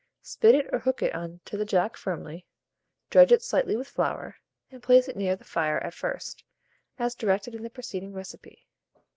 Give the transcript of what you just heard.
Spit it or hook it on to the jack firmly, dredge it slightly with flour, and place it near the fire at first, as directed in the preceding recipe.